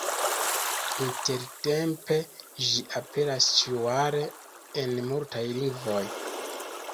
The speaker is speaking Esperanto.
Intertempe ĝi aperas ĉiujare en multaj lingvoj.